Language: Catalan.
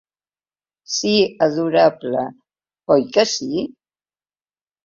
Sí, adorable, oi que sí?